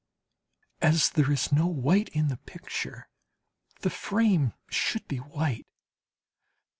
As there is no white in the picture, the frame should be white.